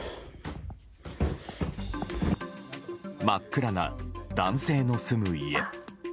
真っ暗な、男性の住む家。